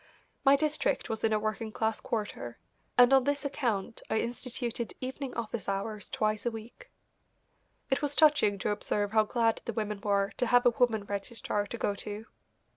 My district was in a working class quarter, and on this account I instituted evening office hours twice a week. It was touching to observe how glad the women were to have a woman registrar to go to.